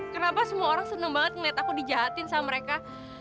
kenapa semua orang seneng banget ngeliat aku di jahatin sama mereka